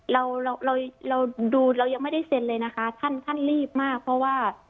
เราเราเราดูเรายังไม่ได้เซ็นเลยนะคะท่านท่านรีบมากเพราะว่า